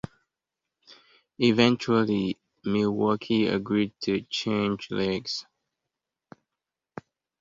Eventually, Milwaukee agreed to change leagues.